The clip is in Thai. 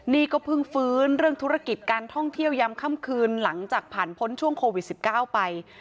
นี่ก็เพิ่งฟื้นเรื่องธุรกิจการท่องเที่ยวยำค่ำคืนหลังจากผ่านพ้นช่วงโควิด๑๙ไป